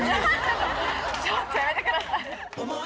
ちょっとやめてください！